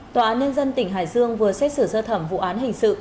tòa án nhân dân tỉnh hải dương vừa xét xử sơ thẩm vụ án hình sự